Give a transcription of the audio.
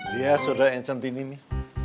dia sudah encentini mi